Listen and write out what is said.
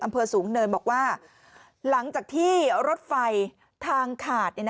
อำเภอสูงเนินบอกว่าหลังจากที่รถไฟทางขาด